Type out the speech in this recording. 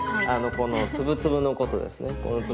この粒々のことですね。